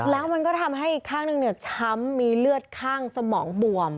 แล้วมันก็ทำให้อีกข้างหนึ่งช้ำมีเลือดข้างสมองบวม